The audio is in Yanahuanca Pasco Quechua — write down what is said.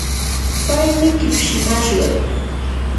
paymi kipshimashqa.